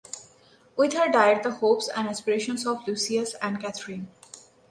With her died the hopes and aspirations of Lucius and Catherine.